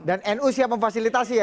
dan nu siap memfasilitasi ya